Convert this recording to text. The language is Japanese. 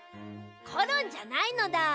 コロンじゃないのだ。